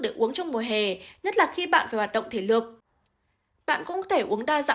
được uống trong mùa hè nhất là khi bạn phải hoạt động thể lực bạn cũng có thể uống đa dạng